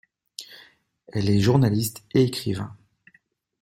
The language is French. Elle est journaliste et écrivain.